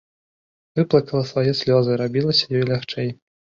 Выплакала свае слёзы, рабiлася ёй лягчэй.